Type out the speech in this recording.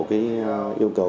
đáp ứng yêu cầu